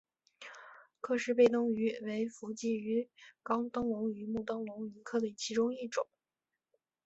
克氏背灯鱼为辐鳍鱼纲灯笼鱼目灯笼鱼科的其中一种。